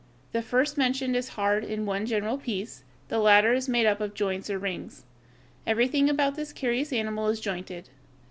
The first mentioned is hard and in one general piece; the latter is made up of joints or rings. Everything about this curious animal is jointed.